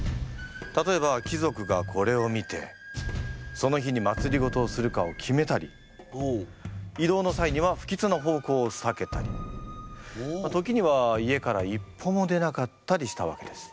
例えば貴族がこれを見てその日にまつりごとをするかを決めたり移動の際には不吉な方向をさけたり時には家から一歩も出なかったりしたわけです。